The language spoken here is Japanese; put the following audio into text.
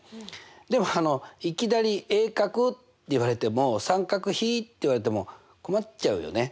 でもいきなり「鋭角」って言われても「三角比」って言われても困っちゃうよね。